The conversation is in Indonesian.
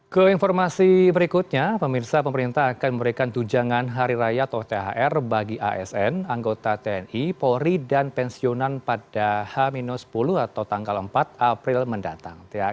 ke informasi berikutnya pemirsa pemerintah akan memberikan tujangan hari raya atau thr bagi asn anggota tni polri dan pensiunan pada h sepuluh atau tanggal empat april mendatang